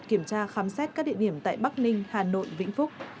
đội tập kiểm tra khám xét các địa điểm tại bắc ninh hà nội vĩnh phúc